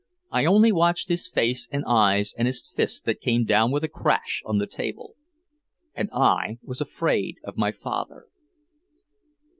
I only watched his face and eyes and his fist that came down with a crash on the table. And I was afraid of my father.